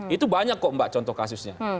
itu banyak kok mbak contoh kasusnya